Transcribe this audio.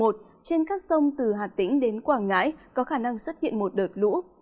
trên các sông từ hà tĩnh đến quảng ngãi có khả năng xuất hiện một đợt lũ